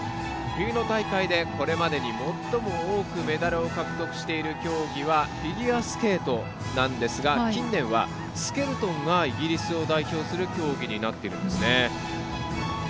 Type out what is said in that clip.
冬の大会で、これまでに最も多くメダルを獲得している競技はフィギュアスケートなんですが近年はスケルトンがイギリスを代表する競技になっているんですね。